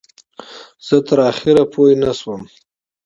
زه تر اخره پوی نشوم.